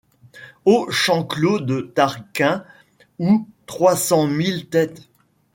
O champ clos de Tarquin où trois-cent milles têtes